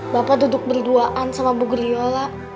bapak duduk berduaan sama bu geriola